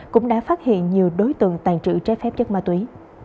cũng đã phát hiện nhiều đối tượng tàn trữ trái phép chất ma túy